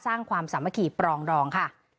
สร้างความสามัคคี่ปรองรองค่ะ